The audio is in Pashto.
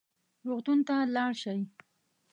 روغتون ته لاړ شئ